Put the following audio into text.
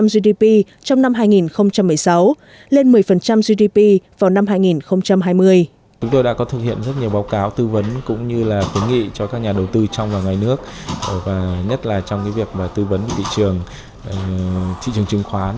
gdp trong năm hai nghìn một mươi sáu lên một mươi gdp vào năm hai nghìn hai mươi